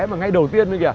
mà ngay đầu tiên